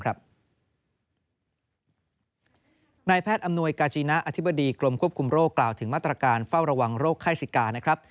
นายแพทย์อำนวยกาจีนะอธิบดีกรมควบคุมโรคกล่าวถึงมาตรการเฝ้าระวังโรคไข้สิกานะครับ